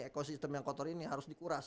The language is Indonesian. ekosistem yang kotor ini harus dikuras